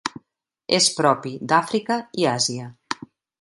És propi d'Àfrica i Àsia.